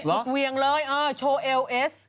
เวียงเลยโชว์เอลเอส